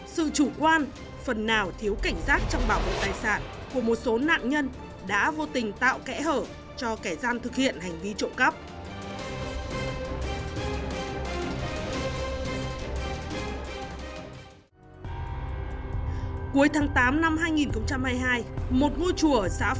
sự chủ quan phần nào thiếu cảnh giác trong bảo hộ tài sản của một số nạn nhân đã vô tình tạo kẽ hở cho kẻ gian thực hiện hành vi trộm cắp